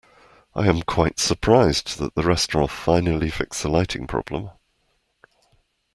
I am quite surprised that the restaurant finally fixed the lighting problem.